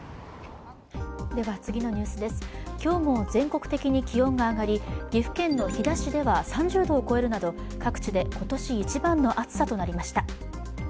今日も全国的に気温が上がり岐阜県の飛騨市では３０度を超えるなど各地で今年一番の暑さとなりました。